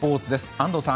安藤さん